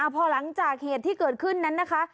พอหลังจากเหตุที่เกิดขึ้นนั้นนะคะ